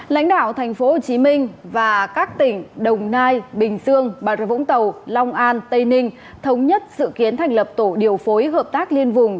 lãnh đạo tp hcm và các tỉnh đồng nai bình dương bà rê vũng tàu long an tây ninh thống nhất dự kiến thành lập tổ điều phối hợp tác liên vùng